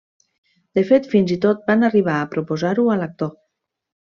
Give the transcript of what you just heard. De fet fins i tot van arribar a proposar-ho a l'actor.